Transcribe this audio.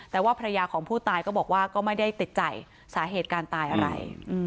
แต่ว่าภรรยาของผู้ตายก็บอกว่าก็ไม่ได้ติดใจสาเหตุการตายอะไร